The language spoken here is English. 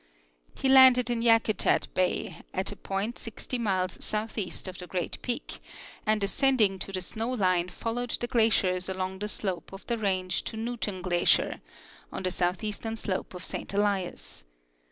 He landed in Yakutat bay, at a point 60 miles southeast of the great peak, and ascending to the snow line followed the glaciers along the slope of the range to Newton glacier, on the southeastern slope of Saint Elias.